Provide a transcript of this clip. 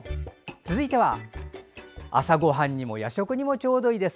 続いては、朝ごはんにも夜食にもちょうどいいです。